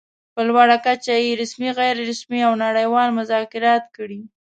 په لوړه کچه يې رسمي، غیر رسمي او نړۍوال مذاکرات کړي.